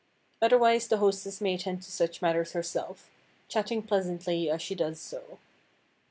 Otherwise the hostess may attend to such matters herself, chatting pleasantly as she does so.